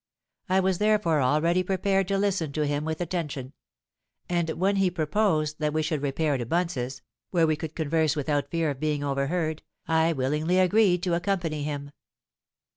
I was therefore already prepared to listen to him with attention; and when he proposed that we should repair to Bunce's, where we could converse without fear of being overheard, I willingly agreed to accompany him.